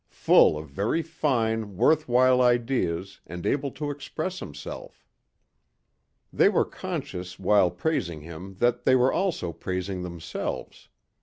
Full of very fine, worthwhile ideas and able to express himself." They were conscious while praising him that they were also praising themselves.